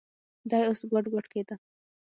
دى اوس ګوډ ګوډ کېده.